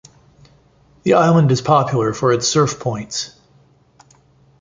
The island is popular for it's surf points.